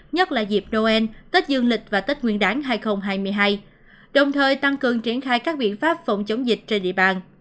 nhất là dịp noel tết dương lịch và tết nguyên đáng hai nghìn hai mươi hai đồng thời tăng cường triển khai các biện pháp phòng chống dịch trên địa bàn